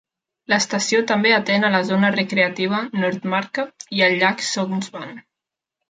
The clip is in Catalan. L'estació també atén a la zona recreativa Nordmarka i al llac Songsvann.